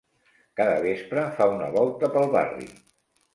Cada vespre fa una volta pel barri.